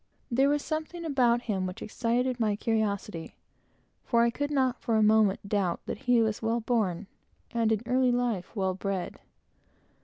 There was something about him which excited my curiosity; for I could not, for a moment, doubt that he was well born, and, in early life, well bred.